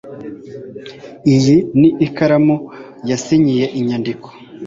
iyi ni ikaramu yasinyiye inyandiko